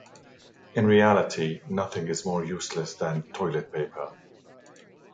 In reality, nothing is more useless than toilet paper.